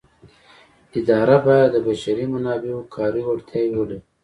اداره باید د بشري منابعو کاري وړتیاوې ولري.